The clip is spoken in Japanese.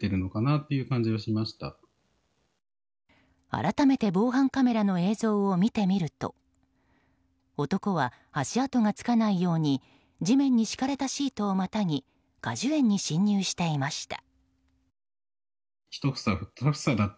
改めて防犯カメラの映像を見てみると男は足跡がつかないように地面に敷かれたシートをまたぎ果樹園に侵入していました。